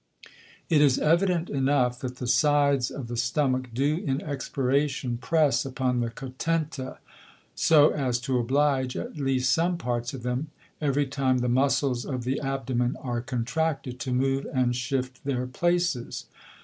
It is evident enough, that the sides of the Stomach do in Expiration press upon the Contenta, so as to oblige, at least some Parts of them, every time the Muscles of the Abdomen are contracted, to move and shift their places.